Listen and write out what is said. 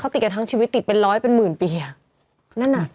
ติดกันทั้งชีวิตติดเป็นร้อยเป็นหมื่นปีอ่ะนั่นอ่ะ